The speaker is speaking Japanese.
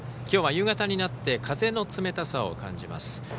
きょうは夕方になって風の冷たさを感じます。